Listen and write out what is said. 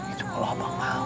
itu kalau abang mau